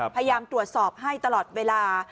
พยายามตรวจสอบให้ตลอดเวลา